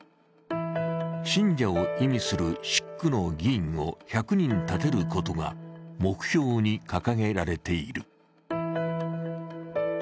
信者を意味する食口の議員を１００人立てることが目標に掲げられている。